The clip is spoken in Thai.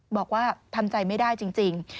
บอกว่าทำใจไม่ได้จริง